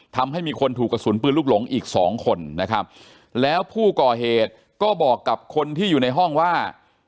ทำให้มีคนถูกกระสุนปืนลูกหลงอีกสองคนนะครับแล้วผู้ก่อเหตุก็บอกกับคนที่อยู่ในห้องว่า